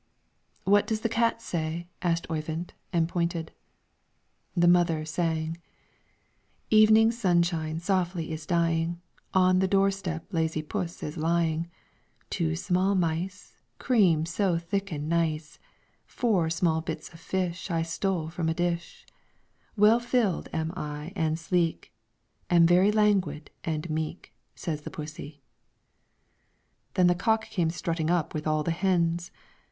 "What does the cat say?" asked Oyvind, and pointed. The mother sang, "Evening sunshine softly is dying, On the door step lazy puss is lying. 'Two small mice, Cream so thick and nice; Four small bits of fish Stole I from a dish; Well filled am I and sleek, Am very languid and meek,' Says the pussie." [Footnote 1: Auber Forestier's translation.] Then the cock came strutting up with all the hens.